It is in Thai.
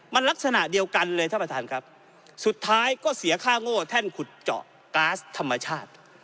มันลักษณะเดียวกันเลยท่านประธานครับสุดท้ายก็เสียค่าโง่แท่นขุดเจาะก๊าซธรรมชาติ